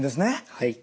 はい。